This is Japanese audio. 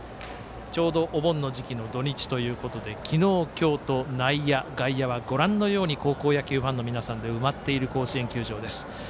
ちょうどお盆の時期の土日ということで昨日、今日と内野、外野は高校野球ファンの皆さんで埋まっている甲子園球場です。